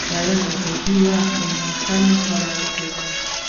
بیان ازادي وه، خو ناسمه کارول کېده.